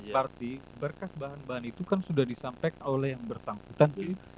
berarti berkas bahan bahan itu kan sudah disampaikan oleh yang bersangkutan